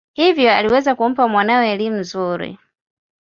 Hivyo aliweza kumpa mwanawe elimu nzuri.